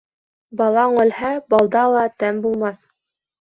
Балаң үлһә, балда ла тәм булмаҫ.